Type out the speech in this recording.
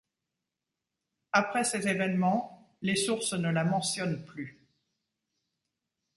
Après ces événements, les sources ne la mentionnent plus.